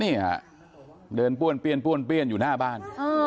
นี่ฮะเดินป้วนเปี้ยนป้วนเปี้ยนอยู่หน้าบ้าน